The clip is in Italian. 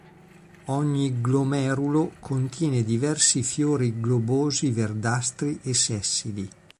Ogni glomerulo contiene diversi fiori globosi verdastri e sessili.